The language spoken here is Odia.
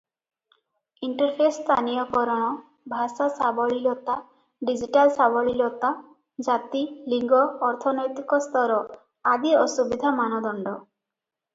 ଇଣ୍ଟରଫେସ ସ୍ଥାନୀୟକରଣ, ଭାଷା ସାବଲୀଳତା, ଡିଜିଟାଲ ସାବଲୀଳତା, ଜାତି, ଲିଙ୍ଗ, ଅର୍ଥନୈତିକ ସ୍ତର ଆଦି ଅସୁବିଧା ମାନଦଣ୍ଡ ।